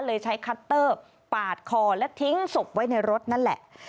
เลยใช้คัตเตอร์ปาดคอและทิ้งศพไว้ในรถนั่นแหละ